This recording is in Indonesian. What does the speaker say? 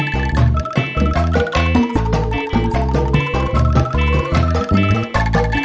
sampai jumpa di video selanjutnya